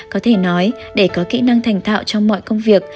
có thể nói để có kỹ năng thành thạo trong mọi công việc